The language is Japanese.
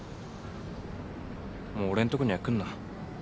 もう俺のとこには来んな。